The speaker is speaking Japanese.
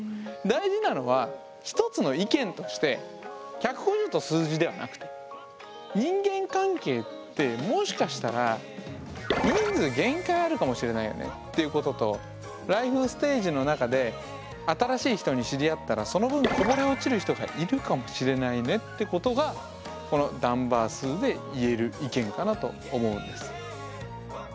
大事なのはひとつの意見として１５０という数字ではなくて人間関係ってもしかしたら人数限界あるかもしれないよねっていうこととライフステージの中で新しい人に知り合ったらその分こぼれ落ちる人がいるかもしれないねってことがこのダンバー数で言える意見かなと思うんです。